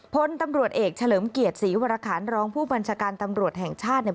พลตำรวจเอกเฉลิมเกียรติศรีวรคารรองผู้บัญชาการตำรวจแห่งชาติเนี่ย